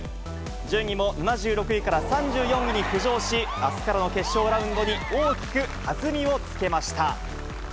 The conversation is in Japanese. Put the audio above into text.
順位も７６位から３４位に浮上し、あすからの決勝ラウンドに大きく弾みをつけました。